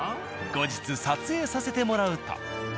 後日撮影させてもらうと。